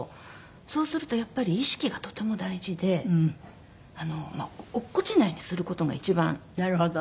そうするとやっぱり意識がとても大事で落っこちないようにする事が一番いいと。